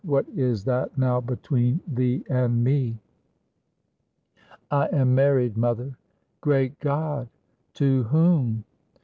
what is that now between thee and me?" "I am married, mother." "Great God! To whom?"